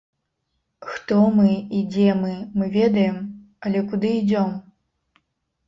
Хто мы і дзе мы, мы ведаем, але куды ідзём?